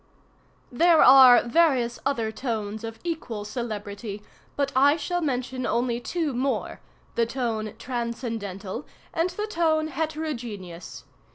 "There are various other tones of equal celebrity, but I shall mention only two more—the tone transcendental and the tone heterogeneous.